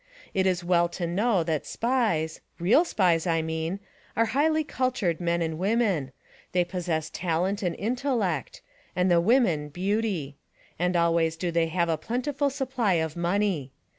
It is well to know that Spies— real Spies, I mean— are highly cultured men and women; they pos sess talent and intellect, and the women, beauty: and always do they have a plentiful supply of money.